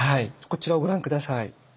こちらをご覧下さい。